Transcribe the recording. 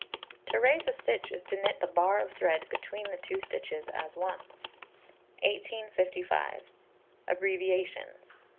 To raise a stitch is to knit the bar of thread between the two stitches as one. 1855. Abbreviations.